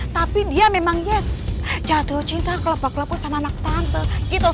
tapi dia memang yes jatuh cinta kelapa kelapu sama anak tante gitu